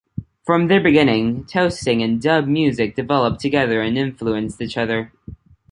From their beginning, toasting and dub music developed together and influenced each other.